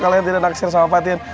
kalian tidak naksir sama patin